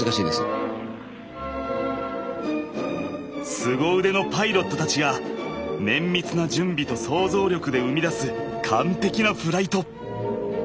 すご腕のパイロットたちが綿密な準備と想像力で生み出す完璧なフライト。